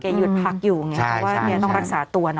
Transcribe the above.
หยุดพักอยู่ไงเพราะว่าเมียต้องรักษาตัวนะ